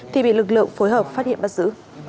thì bị lực lượng phối hợp phát hiện bắt giữ